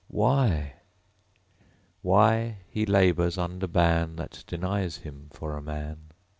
Why he labors under ban That denies him for a man.